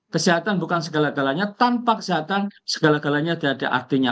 kesehatan bukan segala galanya tanpa kesehatan segala galanya tidak ada artinya